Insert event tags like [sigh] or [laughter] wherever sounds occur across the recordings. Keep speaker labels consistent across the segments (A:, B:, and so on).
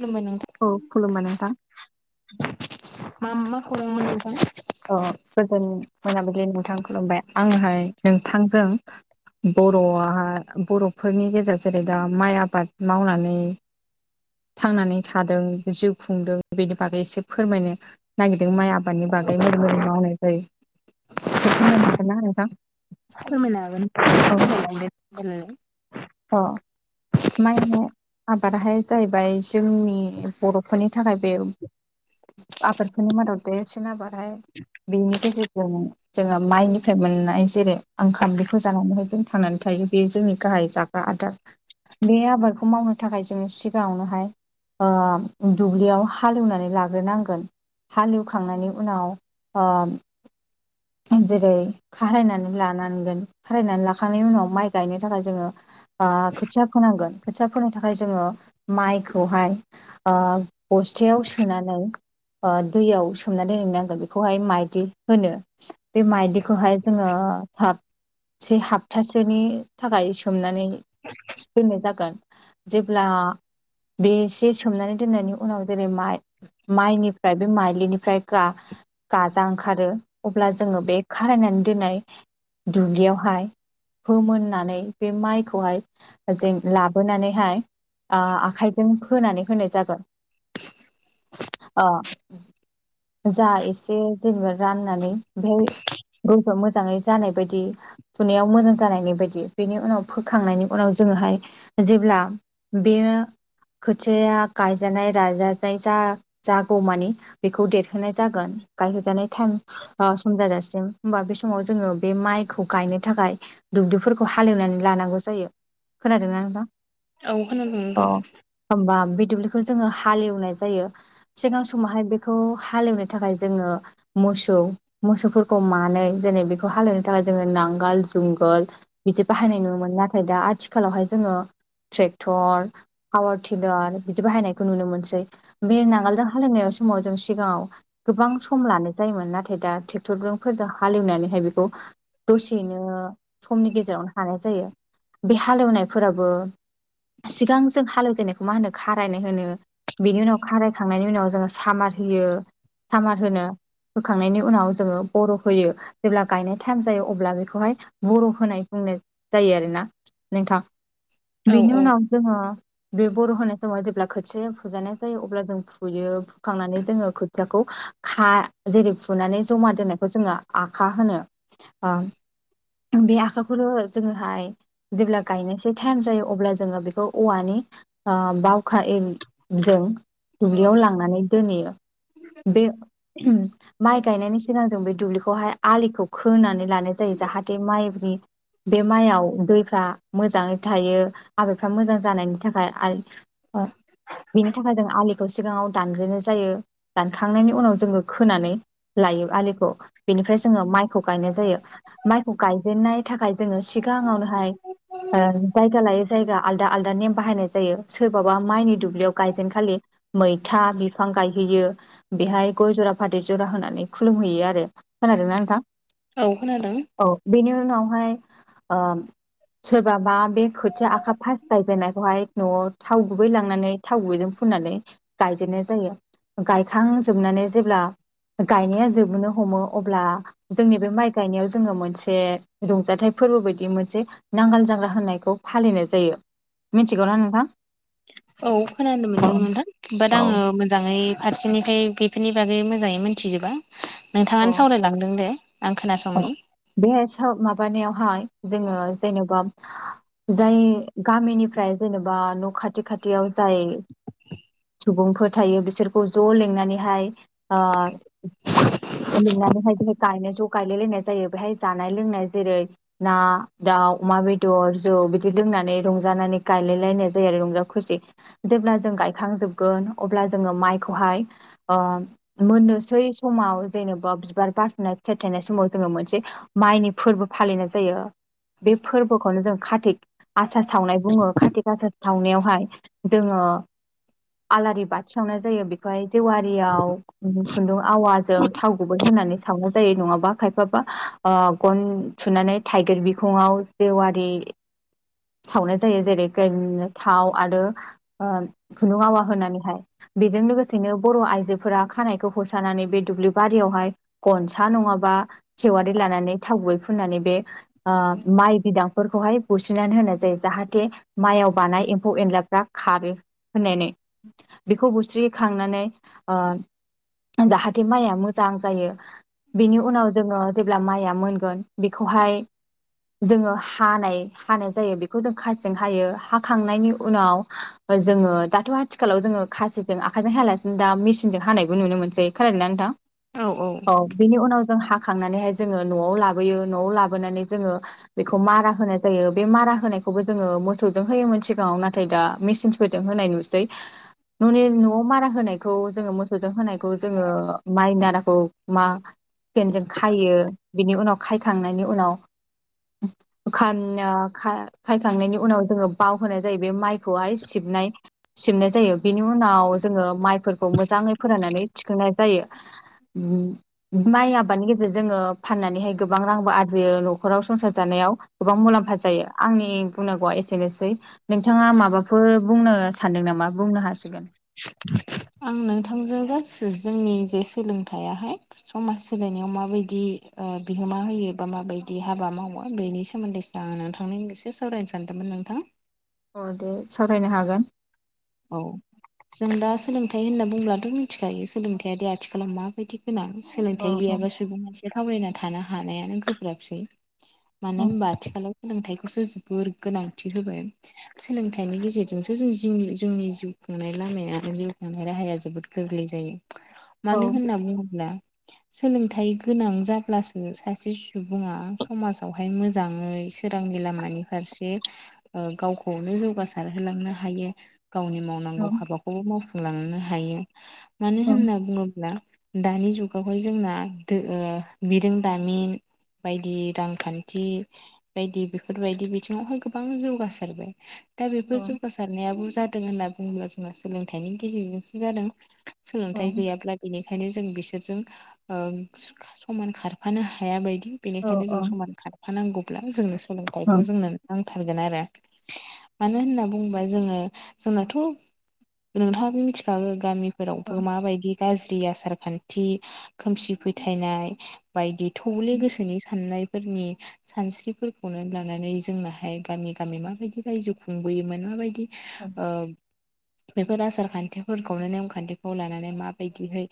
A: खुलुमबाय नोंथां
B: औ खुलुमबाय नोंथां।
A: मा मा खौरांमोन नोंथां
B: अ गोजोन मोनाबिलि नोंथां खुलुमबाय आंहाय नोंथांजों बर'आहा बर'फोरनि गेजेराव जेरै दा माइ आबाद मावनानै थांनानै थादों जिउ खुंदों बेनि बागै एसे फोरमायनो नागिरदों माइ आबादनि बाग गै मोरै मोरै मावनाय जायो [unintelligible] फोरमायनो हागोनना नोंथां?
A: फोरमायनो हागोन
B: औ
A: [unintelligible]
B: अ माइ आबादाहाय जाहैबाय जोंनि बर'फोरनि थाखाय बे आबादफोरनि मादाव देरसिन आबादहाय बेनि गेजेरजों जोङो माइनिफ्राय मोननाय जेरै ओंखाम बेखौ जानानैहाय जों थांनानै था [unintelligible] बे जोंनि गाहाय जाग्रा आदार। बे आबादखौ मावनो थाखाय जोङो सिगाङावनोहाय ओ दुब्लियाव हालेवनानै लाग्रोनांगोन। हालेवखांनायनि उनाव ओ जेरै खारायनानै लानांगोन खारायनानै लाखांनायनि उनाव माइ गायनो थाखाय जोङो ओ खोथिया फोनांगोन खोथियाफोरनि थाखाय जोङो माइखौहाय ओ बसथायाव सोनानै ओ दैयाव सोमनानै दोनहैनांगोन बेखौहाय माइदलि होनो। बे मायदिखौहाय जोङो [unintelligible] से हाबथसेनि थाखाय सोमनानै दोनाय जा जेब्ला बेसे सोमनानै दोननायनि उनाव जेरै माइ-माइनिफ्राय बे माइज्लिनिफ्राय गा गाजा ओंखारो अब्ला जोङो बे खारायनानै दोननाय दुब्लियावहाय फोमोननानै बे माइखौहाय जों लाबोनानैहाय ओ आखाइजों फोनानै होनाय जागोन। आ जा एसे जेनेबा रान नानै [unintelligible] गौफा मोजाङै जानाय बायदि फुनायाव मोजां जानायनि बायदि बेनि उनाव फोखांनायनि उनाव जों हाय जेब्ला बे खोथिया आ गायजानाय राजानाय जा जागौ मानि बेखौ देरहोनाय जागोन गायहोजानाय टाइम ओ सम जाजासिम होमबा बे समाव जोङो बे माइखौ गायनो थाखाय दुब्लिफोरखौ हालेवनानै लानांगौ जायो खोनादों ना नोंथां
A: औ खोनादों
B: औ
A: नोंथां
B: होनबा बे दुब्लिखौ जोङो हालेवनाय जायो सिगां समावहाय बेखौ हलेवनो थाखाय जोङो मोसौ [unintelligible] मोसौफोरखौ मानै जेरै बेखौ हालेवनो थाखाय जोङो नांगाल जुंगाल बिदि बाहाय नुयोमोन नाथाय दा आथिखालावहाय जोङो ट्रेक्टर पावार टिलार बिदि बाहायनायखौ नुनो मोनसै। बे नांगोलजों हालवनाय समाव जों सिगाङाव गोबां सम लानाय जायोमोन नाथाय नाथाय दा ट्रेक्टरफोरजों हालेवनानैहाय बेखौ दसेयैनो समनि गेजेरावनो हानाय जायो बे हालेवनायफोराबो सिगां जों हालौजेननायखौ मा होनो खारायनाय होनो। बेनि उनाव खारायखांनायनि उनाव जोङो सामार होयो सामार होनो होखांनायनि उनाव जोङो बर' होयो जेब्ला गायनाय टाइम जायो अब्ला बेखौहाय बर' होनाय बुंनाय जायो आरोना नोंथां।
A: औ
B: बेनि उनाव
A: औ
B: जोङो बे बर' होनाय समाव जेब्ला खोथिाया फुजानाय जायो अब्ला जों फुयो फुखांनानै जोङो खोथियाखौ [unintelligible] जेरै फुनानै जमा दोनायखौ जोङो आखा होनो ओ बे आखाखौनो जोङोहाय जेब्ला गायनोसै टाइम जायो अब्ला जोङो बेखौ औवानि ओ बावखा जों दुब्लियाव लांनानै दोनहैयो। बे माइ गायनायनि सिगां जों बे दुब्लिखौहाय आलिखौ खोनानै लानाय जायो जाहाथे माइनि बे माइयाव दैफ्रा मोजाङै थायो आबादफ्रा मोजां जानायनि थाखाय [unintelligible] बिनि थाखाय जों आलिखौ सिगाङाव दानग्रोनाय जायो दानखांनायनि उनाव जोङो फोनानै लायो आलिखौ बेनिफ्राय जोङो माइखौ गायनाय जायो माइखौ गायजेननाय था खाय जोङो सिगाङाव नोहाय ओ जायगा लायै जायगा आलदा आलदा नेम बाहायनाय जायो सोरबाबा माइनि दुब्लियाव गायजेनखालि मैथा बिफां गायहैयो बेहाय गजरा फाथै जरा होनानै खुलुमहैयो आरो खोनादोंना नोंथां
A: औ खोनादों।
B: औ बेनि उनावहाय ओ सोरबाबा बे खोथिया आखा फास गायजेननायखौहाय न'आव थाव गुबै लांनानै थाव गुबैजों फुननानै गायदेरनाय जायो गायखां जोबनानै जेब्ला गायनाया जोबोनो हमो अब्ला जोंनि बे माइ गायनायाव जोङो मोनसे रंजा थाइ फोरबो बायदि मोनसे नांगाल जांग्रा होननायखौ फालिनाय जायो। मिथिगौना नोंथां
A: औ खोनानो
B: औ
A: मोनदों नोंथां बाट
B: औ
A: आङो मोजाङै फारसेनिफ्राय बेफोरनि बागै मोजाङै मिथिजोबा नोंथाङानो सावरायलांदों दे आं
B: अ
A: खोनासंनि
B: बे माबानायावहाय जोङो जेनेबा जाय गामिनिफ्राय जेनेबा न' खाथि खाथियाव जाय सुबुंफोर थायो बिसोरखौ ज' लिंनानैहाय ओ लिंनानैहाय बेहाय गायनाय ज' गायलाय लायनाय जायो बेहाय जानाय लोंनाय जेरै ना दा ओ अमा बेदर जौ बिदि दोननानै रंजानानै गायलायलायनाय जायो आरो रंजा खुसि जेब्ला जों गाय खां जोबगोन अब्ला जोङो माइखौहाय ओ मोननोसै समाव जेनेबा बिबार बारसुनाय फिथाइ थायनाय समाव जोङो मोनसे माइनि फोरबो फालिनाय जायो। बे फोरबोखौनो जों कार्तिक आसार सावनाय बुङो कार्तिक आसार सावनायावहाय दोङो आलारि बाथि सावनाय जायो बेखौहाय जेवारियाव खुन्दुं आवाजों थाव गुबै होनानै सावनाय जायो नङाबा खायफाबा ओ गन थुनानै थाइगिर बिखङाव जेवारि सावनाय जायो जेरै ग्रेननो थाव आरो ओ खुन्दुं आवा होनानैहाय बेजों लोगोसेनो बर' आइजो फोरा खानायखौ हसारनानै बे दुब्लि बारियावहाय गनसा नङाबा जेवारि लानानै थाव गुबै फुननानै बे ओ माइ बिदां फोरखौहाय बुसिनानै होनाय जायो जाहाथे माइआव बानाय एम्फौ एनलाफ्रा खारो। होननानै बेखौ बुस्रिखांनानै ओ जाहाथे माइया मोजां जायो बेनि उनाव जोङो जेब्ला माइया मोनगोन बेखौहाय जोङो हानाय, हानाय जायो बेखौ जों खासिजों हायो हाखांनायनि उनाव जोङो दाथ' आथिखालाव जोङो खासिजों आखाइजों हायालासिनो दा मेसिनजों हानायबो नुनो मोनसै खोनादों ना नोंथां? औ बिनि उनाव जों हा खांनानैहाय जोङो न'आव लाबोयो न'आव लाबोनानै जोङो बेखौ मारा होनाय जायो बे मारा होनाय खौबो जोङो मोसौजों होयोमोन सिगाङाव नाथाय दा मेचिनफोरजों होनाय नुसै। न'नि न'आव मारा होनायखौ जोङो मोसौजों होनायखौ जोङो माइ माराखौ मा हुखेनजों खायो बिनि उनाव खायखांनायनि उनाव खान ओह खा-खायखांनायनि उनाव जोङो बाव होनाय जायो बे माइखौहाय। सिबनाय सिबनाय जायो बेनि उनाव जोङो माइफोरखौ मोजाङै फोराननानै थिखांनाय जायो। उम माइ आबादनि गेजेरजों जोङो फाननानैहाय गोबां रांबो आरजियो न'खराव संसार जानायाव गोबां मुलाम्फा जायो आंनि बुंनांगौआ एसेनोसै नोंथाङा माबाफोर बुंनो सानदों नामा बुंनो हासिगोन।
A: आं नोंथांजों जोंनि जे सोलोंथाइयाहाय समाज सोलायनायाव माबायदि ओ बिहोमा होयो बा माबायदि हाबा मावो बेनि सोमोन्दैसो आङो नोंथांनि एसो सावरायनो सानदोंमोन नोंथां।
B: अ' दे सावरायनो हागोन।
A: औ जों दा सोलोंथाइ होनना बुंब्लाथ' मिनथिखायो सोलोंथाइयादि आथिखालाव माबायदि गोनां
B: औ
A: सोलोंथाइ गैयाबा सुबुं मानसिया थावरिना थानो हानायानो गोब्राबसै। मानो
B: औ
A: होनबा आथिखालाव सोलोंथाइ खौसो जोबोर गोनांथि होबाय सोलोंथाइनि गेजेरजोंसो जों जिउनि जोंनि जिउ खुंनाय लामाया जिउ खुंनाय राहाया जोबोद गोरलै जायो।
B: औ
A: मानो होनना बुङोब्ला सोलोंथाइ गोनां जाब्लासो सासे सुबुङा समाजावहाय मोजाङै सोरांनि लामानि फारसे ओ गावखौनो जौगासारहोलांनो हायो। गावनि
B: औ
A: मावनांगौ हाबाखौबो मावफुंलांनो हायो। मानो होनना बुङोब्ला दानि जुगावहाय जोंना ओ बिरोंदामिन बायदि रांखान्थि बायदि बेफोरबायदि बिथिङावहाय गोबां जौगासारबाय। दा
B: औ
A: बेफोर जौगासारनायाबो जादों होनना बुङोब्ला जोंहा सोलोंथाइनि गेजेरजोंसो जादों।
B: औ
A: सोलोंथाइ गैयाब्ला बेनिखायनो जों बिसोरजों ओ स-समान खारफानो हाया बायदि
B: औ
A: बेनिखायनो जों समान खारफानांगौब्ला जोंनो सोलोंथाइखौ जोंनो नां थारगोन आरो मानो होनना बुङोबा जोङो जोंनाथ' नोंथाङाबो मिथिखागौ गामिफोरावबो माबायदि गाज्रिया आसारखान्थि, खोमसि फोथायनाय बायदि थौले गोसोनि साननाय फोरनि सानस्रिफोरखौनो लानानै जोंनाहाय गामि गामि माबायदि रायजो खुंबोयोमोन माबायदि
B: औ
A: ओह बेफोर आसार खान्थिफोरखौनो नेम खान्थिखौ लानानै माबायदिहै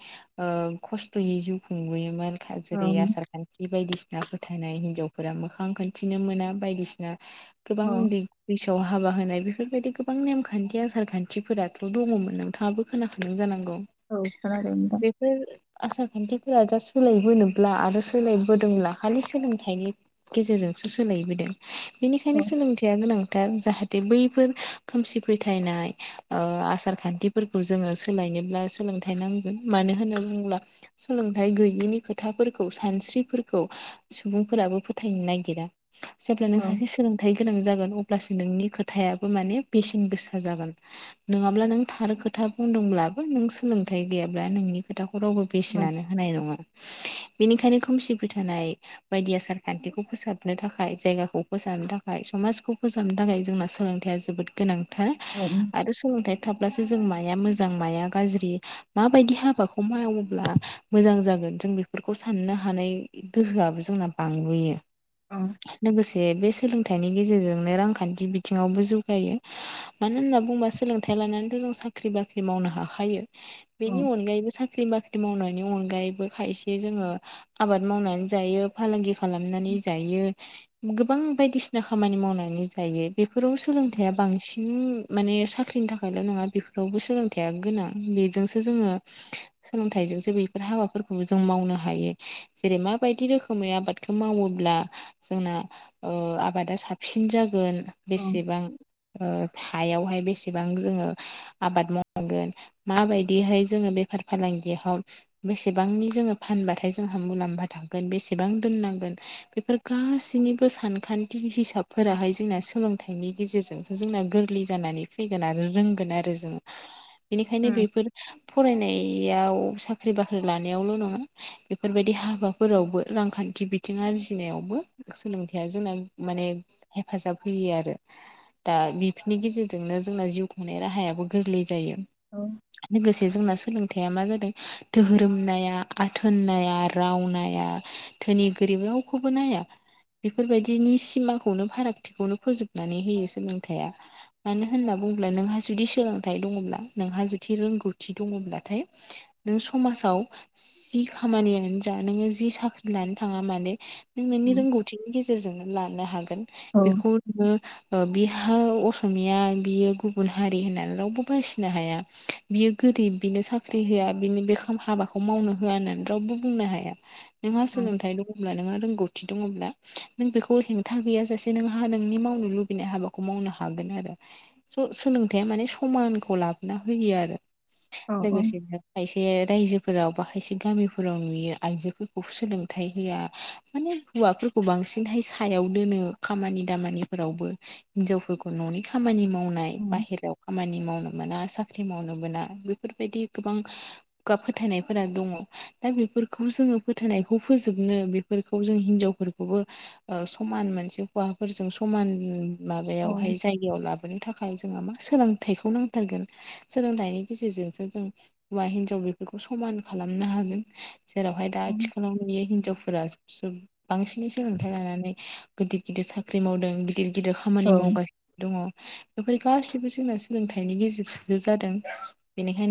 A: ओ खस्थ'यै जिउ जिउ खुंबोयोमोन जेरै
B: ओम
A: आसारखान्थि बायदिसि नाफोथायनाय हिनजावफोरा मोखां खोनथिनो मोना बायदिसिना गोबां
B: औ
A: उन्दै बैसोआव हाबा होनाय बेफोरबायदि गोबां नेम खान्थि आसार खान्थिफोराथ' दङमोन नोंथाङाबो खोनाखादों जानांगौ।
B: औ खोनादों नोंथां
A: बेफोर आसार खान्थि फोरा दा सोलायबोनोब्ला आरो सोलायबोदोंब्ला खालि सोलोंथाइनि गेजेरजोंसो सोलायबोदों।
B: औ
A: बेनिखायनो सोलोंथाइया गोनांथार जाहाथे बैफोर खोमसि फोथायनाय ओ आसार खान्थिफोरखौ जोङो सोलायनोब्ला सोलोंथाइ नांगोन मानो होनो [unintelligible] सोलोंथाइ गैयैनि खोथाफोरखौ सानस्रिफोरखौ सुबुंफोराबो फोथायनो नागिरा जेब्ला नों
B: औ
A: सासे सोलोंथाइ गोनां जागोन अब्लासो नोंनि खोथायाबो माने बे सेन गोसा जागोन। नङाब्ला नों थार खोथा बुंदोंब्लाबो नों सोलोंथाइ गैयाब्ला नोंनि खोथाखौ रावबो
B: औ औ
A: बेसेनानो होनाय नङा। बेनिखायनो खोमसि फोथानाय बायदि आसार खान्थिखौ फोसाबनो थाखाय जायगाखौ फोसाबनो थाखाय समाजखौ फोजाबनो थाखाय जोंना सोलोंथाइया जोबोद गोनांथार
B: औ
A: आरो सोलोंथाइया थाब्लासो जों जों माया मोजां माया गाज्रि माबायदि हाबाखौ मावोब्ला मोजां जागोन जों बे फोरखौ साननो हानाय गोहोआबो जोंना बांबोयो।
B: औ
A: लोगोसे बे सोलोंथाइनि गेजेरजोंनो रांखान्थि बिथिङावबो जौगायो। मानो होनना बुंबा सोलोंथायाइ लानानैथ' जों साख्रि बाख्रि मावनो हाखायो। बेनि अनगायैबो साख्रि बा ख्रि मावनायनि अनगायैबो खायसे जोङो आबाद मावनानै जायो फालांगि खालामनानै जायो, गोबां बायदिसिना खामानि मावनानै जायो। बेफोराव सोलोंथाइया बां सिन माने साख्रिनि थाखायल' नङा बेफोरावबो सोलोंथाइया गोनां, बेजोंसो जोङो सोलोंथाइजोंसो बेफोर हाबाफोरखौबो जों मावनो हायो। जेरै माबायदि रोखोमै आबादखौ मावो अब्ला जोंना आबादा साबसिन जागोन बेसेबां हायावहाय बेसेबां जोङो आबाद मावगोन माबायदिहाय जोङो बे फार फालांगियाव बेसेबांनि जोङो फानबाथाय जोंहा मुलाम्फा थागोन बेसेबां दोननांगोन बेफोर गासैनिबो सानखान्थि हिसाबफोराहाय जोंना सोलोंथाइनि गेजेरजों जोंना गोरलै जानानै फैगोन आरो रोंगोन आरो जों। बेनिखायनो बेफोर फरायनाय बेयाव साख्रि बाख्रि लानायावल' नङा बेफोरबायदि हाबाफोरावबो रांखान्थि बिथिङा आरजिनायावबो सोलोंथाइया जोंना माने हेफाजाब होयो आरो। दा बेफोरनि गेजेरजोंनो जोंना जिउ खुंनाय राहायाबो गोरलै जायो। लोगोसे जोंना सोलोंथाइया मा जादों धोरोम नाया आथोन नाया राव नाया धोनि गो रिब रावखौबो नाया बेफोरबायदिनि सिमाखौनो फारागथिखौनो फोजोबनानै होयो। सोलोंथाया मानो होनना बुङोब्ला नोंहा जुदि सोलोंथाइ दङब्ला नोंहा जुदि रोंगौथि दङब्लाथाय नों समाजाव जि खामानियानो जा नोङो जि साख्रि लानो थाङा मानो नों नोंनि रोंगौथिनि गेजेरजोंनो लानो हागोन बेखौ नोङो ओ बिहा असमिया बियो गुबुन हारि होननानै रावबो बासिनो हाया बियो गोरि ब बिनो साख्रि होआ बिनो बे हाबाखौ मावनो होआ होननानै रावबो बुंनो हाया। नोंहा सोलोंथाइ दं नोंहा रोंगौथि दङब्ला नों बेखौ हेंथा गैया सासे नोंहा नोंनि मावनो लुबै नाय हाबाखौ मावनो हागोन आरो सोलोंथायाइया माने समानखौ लाबोना होयो आरो। लोगोसेनो खायसे रायजो फोराव बाहायसे गामिफोराव नुयो आइजोफोरखौ सोलोंथाइ होआ माने हौवाफोरखौ बां बांसिनहाय सायाव दोनो खामानि दामानिफोरावबो हिनजावफोरखौ न'नि खामानि मावनाय बाहेरायाव खामानि मावनां मोना साख्रि मावनो मोना बेफोरबायदि गोबां फोथायनायफोरा दङ दा बे फोरखौ जोङो फोथायनायखौ फोजोबनो बेफोरखौ जों हिनजावफोरखौबो ओ समान मोनसे हौवाफोरजों समान माबायावहाय जायगायाव लाबोनो थाख खाय जोंहा मा सोलोंथाइखौ नांथारगोन सोलोंथाइनि गेजेरजोंसो जों हौवा हिनजाव बेफोरखौ समान खालामनो हागोन जेरावहाय दा
B: औ
A: आथिखालाव नुयो हिनजाव फोरा बांसिनै सोलोंथाइ लानानै गिदिर गिदिर साख्रि मावदों गिदिर गिदिर खामानि
B: औ
A: मावगासिनो दङ बेफोर गासिबो जोंना सोलोंथाइनि गेजेरजोंसो जादों।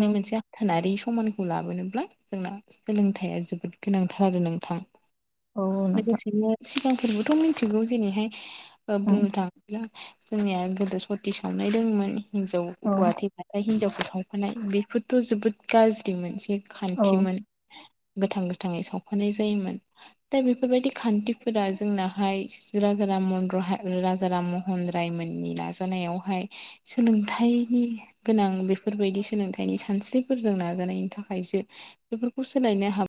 B: औ
A: मोनसे आथोनारि समान खौ लाबोनोब्ला जोंना सोलोंथाइया जोबोद गोनांथार आरो नोंथां
B: औ नोंथां
A: लोगोसेनो सिगांफोरबोथ' मिथिगौ जेरैहाय ओ
B: ओं,
A: बुंनो थाङो ब्ला जोंनिया गोदो सति सावनाय दंमोन हिनजाव
B: औ
A: हौवा थैब्लाथाय हिनजावखौ सावफानाय बेफोरथ' जोबोद गाज्रि मोनसे
B: औ
A: खान्थिमोन गोथां गोथाङै सावफानाय जायोमोन दा बेफोरबायदि खान्थिफोरा जोंनाहाय जिर गोर [unintelligible] राम महन रायमोननि नाजानायावहाय सोलोंथाइनि गोनां बेफोरबायदि सोलोंथाइनि सानस्रिफोरजों नाजानायनि थाखायसो बेफोरखौ सोलायनो हाब